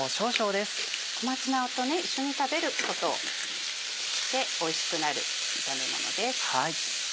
小松菜と一緒に食べることでおいしくなる炒めものです。